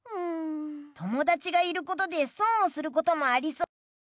友だちがいることで損をすることもありそうです。